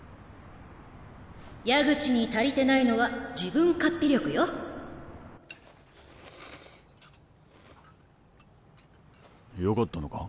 矢口に足りてないのは自分勝ズズーよかったのか？